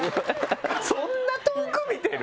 そんな遠く見てる？